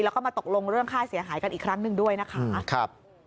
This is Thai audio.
แล้วก็มาตกลงเรื่องค่าเสียหายกันอีกครั้งหนึ่งด้วยนะคะครับ